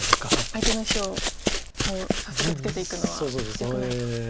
相手の石を早速ツケていくのはよくないと。